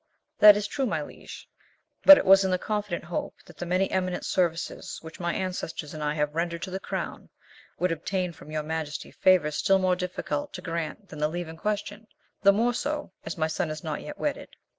"That is true, my liege, but it was in the confident hope that the many eminent services which my ancestors and I have rendered to the crown, would obtain from your majesty favours still more difficult to grant than the leave in question, the more so as my son is not yet wedded."